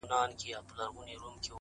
يوازيتوب زه- او ډېوه مړه انتظار-